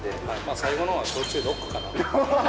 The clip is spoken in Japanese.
最後のほうは、焼酎でロックかなと。